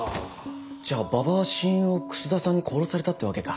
じゃあ馬場は親友を楠田さんに殺されたってわけか。